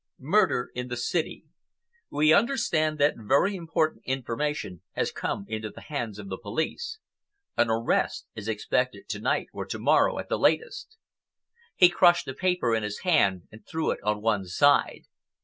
Murder in the City.—We understand that very important information has come into the hands of the police. An arrest is expected to night or to morrow at the latest. He crushed the paper in his hand and threw it on one side.